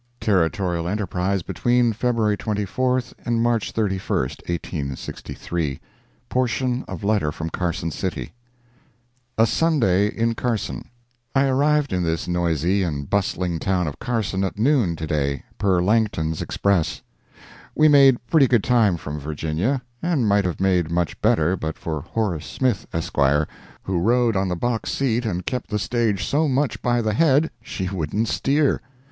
Territorial Enterprise, between Feb. 24—March 31, 1863 [portion of letter from Carson City] A SUNDAY IN CARSON I arrived in this noisy and bustling town of Carson at noon to day, per Langton's express. We made pretty good time from Virginia, and might have made much better, but for Horace Smith, Esq., who rode on the box seat and kept the stage so much by the head she wouldn't steer.